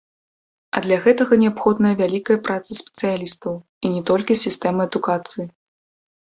А для гэтага неабходная вялікая праца спецыялістаў, і не толькі з сістэмы адукацыі.